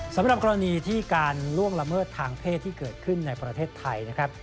สำหรับกรณีที่การล่วงละเมิดทางเพศที่เกิดขึ้นในประเทศไทยนะครับ